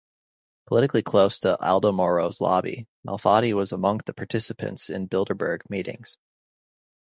Politically close to Aldo Moro's lobby, Malfatti was among the participants in Bilderberg meetings.